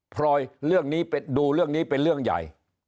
พลอยเรื่องนี้ดูเรื่องนี้เป็นเรื่องใหญ่